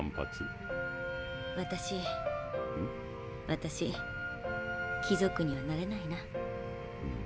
私貴族にはなれないな。